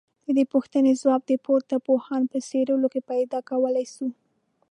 ددې پوښتني ځواب د پورته پوهانو په څېړنو کي پيدا کولای سو